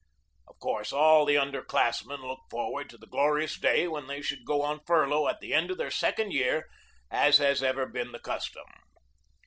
Of course, all the under class men looked forward to the glorious day when they should go on furlough at the end of their second year, as has ever been the custom.